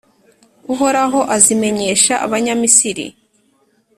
Uhoraho azimenyesha Abanyamisiri,